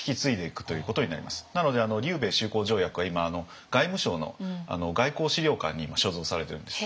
なので琉米修好条約は今外務省の外交史料館に所蔵されてるんです。